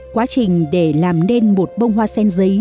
quá trình để làm nên một bông hoa sen giấy